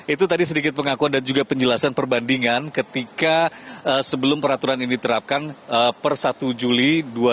itu tadi sedikit pengakuan dan juga penjelasan perbandingan ketika sebelum peraturan ini diterapkan per satu juli dua ribu dua puluh